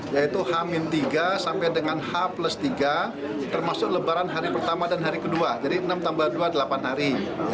yaitu h tiga sampai dengan h tiga termasuk lebaran hari pertama dan hari kedua jadi enam tambah dua delapan hari